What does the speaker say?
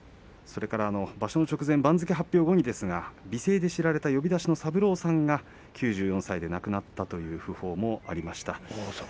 それから場所の直前番付発表後ですが美声で知られた呼出しの三郎さんの９４歳で亡くなったという訃報もありました。